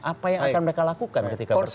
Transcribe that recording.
apa yang akan mereka lakukan ketika berpuasa